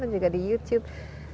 dan juga di youtube